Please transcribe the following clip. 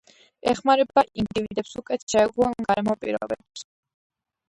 ეხმარება ინდივიდებს უკეთ შეეგუონ გარემო პირობებს.